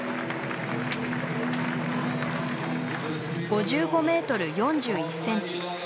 ５５ｍ４１ｃｍ。